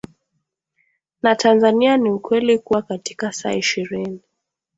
na Tanzania ni ukweli kuwa katika saa ishirini